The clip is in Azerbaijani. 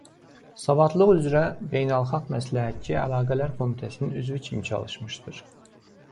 Savadlılıq üzrə Beynəlxalq Məsləhətçi Əlaqələr Komitəsinin üzvü kimi çalışmışdır.